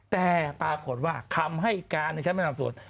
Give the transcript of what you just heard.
แต่ปรากฏว่าคำให้การฉันไม่ทำสวด